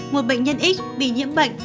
một bệnh nhân x bị nhiễm bệnh